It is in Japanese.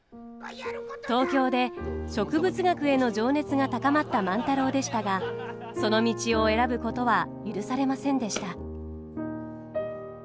東京で植物学への情熱が高まった万太郎でしたがその道を選ぶことは許されませんでした。